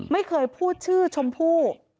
ไม่เคยพูดชื่อชมพู่